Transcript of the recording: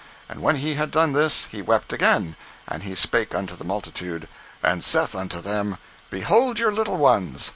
And when He had done this He wept again, and He spake unto the multitude, and saith unto them, Behold your little ones.